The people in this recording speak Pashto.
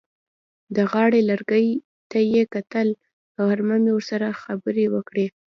د غاړې لرګي ته یې کتل: غرمه مې ورسره خبرې وکړې.